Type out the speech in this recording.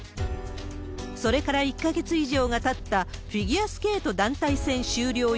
それから１か月以上がたったフィギュアスケート団体戦終了